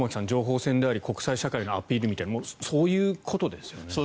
情報戦であり国際社会のアピールみたいなそういうことですよね。